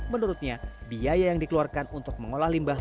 menurutnya biaya yang dikeluarkan untuk mengolah limbah